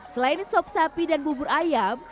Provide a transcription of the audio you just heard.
selain sop sapi dan bubur ayam